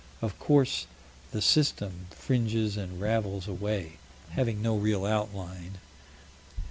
Of course "the System" fringes and ravels away, having no real outline.